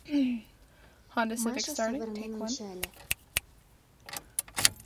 ...Маша савырнен ончале.